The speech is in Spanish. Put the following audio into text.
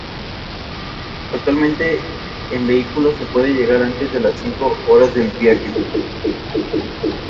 Otros factores que aumentan el riesgo incluyen fumar, hipertensión y otras enfermedades cardiovasculares.